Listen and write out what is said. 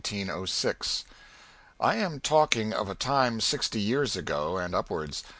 _]... I am talking of a time sixty years ago, and upwards.